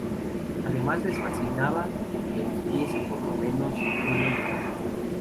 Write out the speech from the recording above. Además les fascinaba que hubiese por lo menos uno en Madrid.